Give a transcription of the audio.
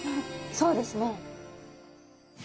そうですね。